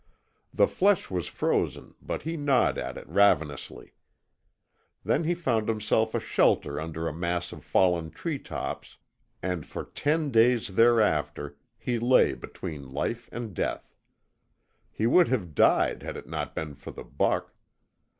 The flesh was frozen but he gnawed at it ravenously. Then he found himself a shelter under a mass of fallen tree tops, and for ten days thereafter he lay between life and death. He would have died had it not been for the buck.